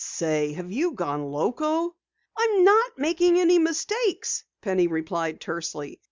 "Say, have you gone loco?" "I'm not making any mistakes," Penny replied tersely.